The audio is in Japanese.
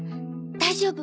大丈夫